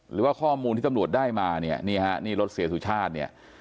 หรือว่าข้อมูลที่ตำรวจได้มาเนี่ยนี่ฮะนี่รถเสียสุชาติเนี่ย